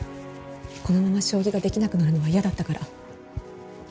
このまま将棋ができなくなるのは嫌だったから。